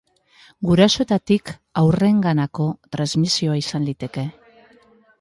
Gurasoetatik haurrenganako transmisioa izan liteke.